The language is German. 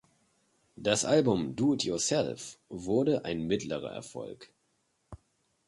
Das Album "Do It Yourself" wurde ein mittlerer Erfolg.